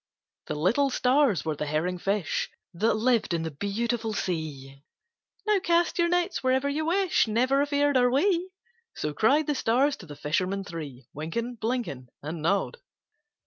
The little stars were the herring fish That lived in that beautiful sea "Now cast your nets wherever you wish Never afeard are we"; So cried the stars to the fishermen three: Wynken, Blynken, And Nod.